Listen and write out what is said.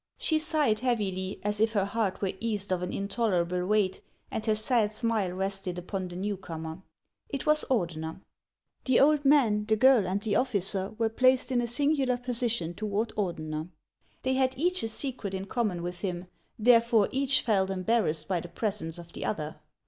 She sighed heavily, as if her heart were eased of an intolerable weight, and her sad smile rested upon the new comer. It was Ordeuer. The old man, the girl, and the officer were placed in a singular position toward Ordeuer ; they had each a secret in common with him, therefore each felt embarrassed by the presence of the other.